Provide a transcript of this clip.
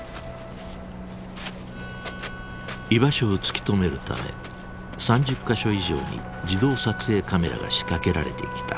居場所を突き止めるため３０か所以上に自動撮影カメラが仕掛けられてきた。